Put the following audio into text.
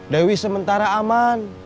dewi sementara aman